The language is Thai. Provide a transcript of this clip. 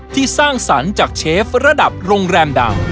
สร้างสรรค์จากเชฟระดับโรงแรมดัง